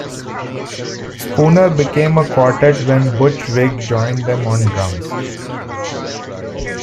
Spooner became a quartet when Butch Vig joined them on drums.